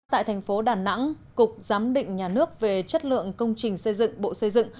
tại thành phố đà nẵng cục giám định nhà nước về chất lượng công trình xây dựng bộ xây dựng